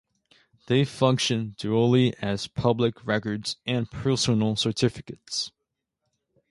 They function dually as public records and personal certificates.